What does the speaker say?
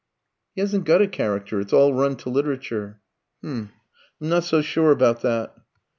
"He hasn't got a character; it's all run to literature." "H'm I'm not so sure about that."